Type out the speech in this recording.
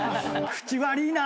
口悪いな！